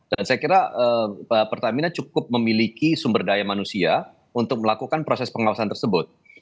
dan saya kira pertamina cukup memiliki sumber daya manusia untuk melakukan proses pengawasan tersebut